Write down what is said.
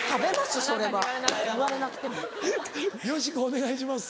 よしこお願いします。